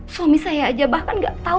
suami saya aja bahkan gak tahu